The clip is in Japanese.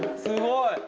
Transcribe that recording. すごい。